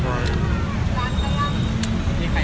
สวัสดีค่ะ